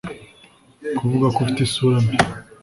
Kuvuga ko ufite isura mbi